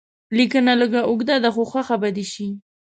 لیکنه لږ اوږده ده خو خوښه به شي.